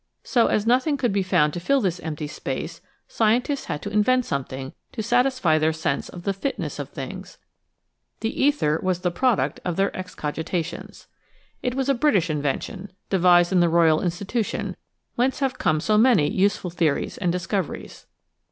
So as nothing could be found to fill this empty space scientists had to invent something to satisfy their sense of the fitness of things. The ether was the product of their excogitations. It was a British invention, de THE GALA OF THE ETHER 9 vised in the Royal Institution, whence have come so many useful theories and discoveries.